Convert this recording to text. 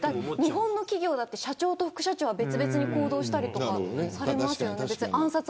日本の企業だって社長と副社長は別々に行動したりとかされますよね。